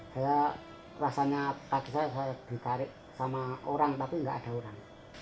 saya rasanya kaki saya saya ditarik sama orang tapi nggak ada orang